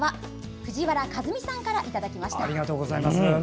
藤原和美さんからいただきました。